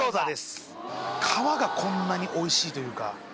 皮がこんなにおいしいというか。